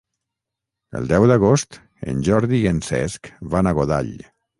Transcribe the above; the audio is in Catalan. El deu d'agost en Jordi i en Cesc van a Godall.